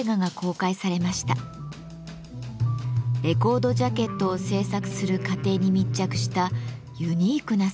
レコードジャケットを制作する過程に密着したユニークな作品です。